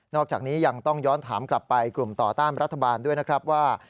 อกจากนี้ยังต้องย้อนถามกลับไปกลุ่มต่อต้านรัฐบาลด้วยนะครับว่า